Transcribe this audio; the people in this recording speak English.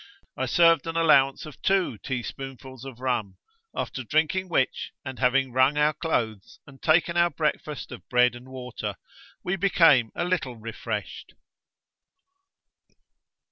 I served an allowance of two teaspoonfuls of rum; after drinking which, and having wrung our clothes and taken our breakfast of bread and water, we became a little refreshed.